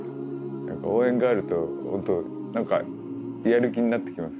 応援があると本当何かやる気になってきます。